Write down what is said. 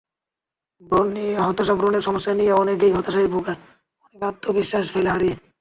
ব্রণ নিয়ে হতাশাব্রণের সমস্যা নিয়ে অনেকেই হতাশায় ভোগে, অনেকে আত্মবিশ্বাস ফেলে হারিয়ে।